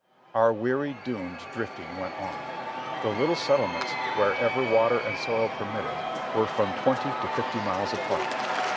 Our weary, doomed drifting went on. The little settlements, wherever water and soil permitted, were from twenty to fifty miles apart.